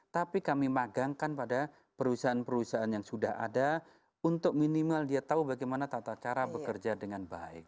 tapi kami magangkan pada perusahaan perusahaan yang sudah ada untuk minimal dia tahu bagaimana tata cara bekerja dengan baik